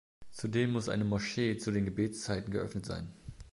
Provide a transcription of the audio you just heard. Zudem muss eine Moschee zu den Gebetszeiten geöffnet sein.